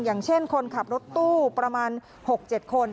อย่างเช่นคนขับรถตู้ประมาณ๖๗คน